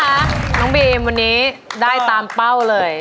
เป็นไงบ้างคะน้องบีมวันนี้ได้ตามเป้าเลย